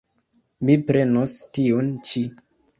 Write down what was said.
Mi prenos tiun ĉi.